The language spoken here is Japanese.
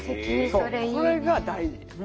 そうこれが大事。